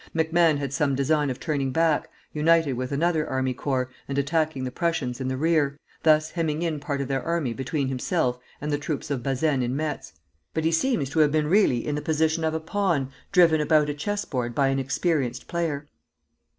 MacMahon had some design of turning back, uniting with another army corps, and attacking the Prussians in the rear, thus hemming in part of their army between himself and the troops of Bazaine in Metz; but he seems to have been really in the position of a pawn driven about a chess board by an experienced player.